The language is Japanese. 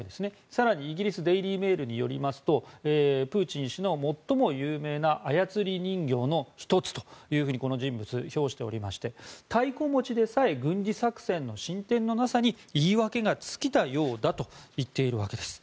更にイギリスデイリー・メールによりますとプーチン氏の最も有名な操り人形の１つとこの人物、評しておりまして太鼓持ちでさえ軍事作戦の進展のなさに言い訳が尽きたようだと言っているわけです。